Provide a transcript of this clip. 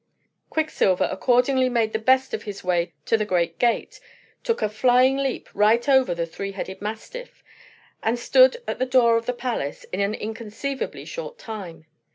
Quicksilver accordingly made the best of his way to the great gate, took a flying leap right over the three headed mastiff, and stood at the door of the palace in an inconceivably short time.